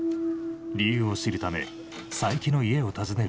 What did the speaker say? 理由を知るため佐伯の家を訪ねる徹生。